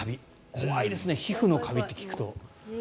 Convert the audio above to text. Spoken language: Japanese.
怖いですね皮膚のカビと聞くと。